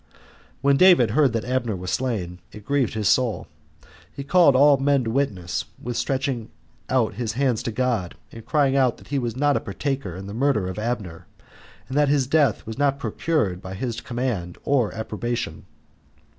6. When David heard that Abner was slain, it grieved his soul; and he called all men to witness, with stretching out his hands to God, and crying out that he was not a partaker in the murder of Abner, and that his death was not procured by his command or approbation.